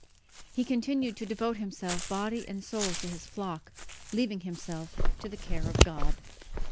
He continued to devote himself body and soul to his flock, leaving himself to the care of God.